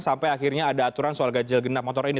sampai akhirnya ada aturan soal ganjil genap motor ini